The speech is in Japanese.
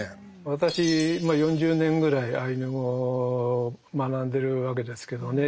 私まあ４０年ぐらいアイヌ語を学んでるわけですけどね